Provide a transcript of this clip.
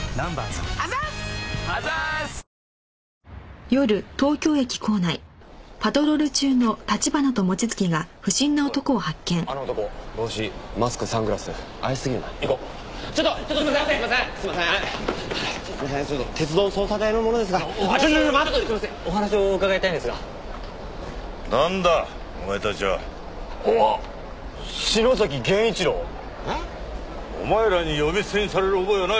えっ？お前らに呼び捨てにされる覚えはない！